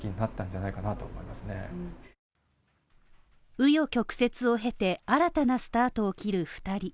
う余曲折を経て、新たなスタートを切る２人。